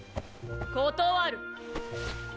断る！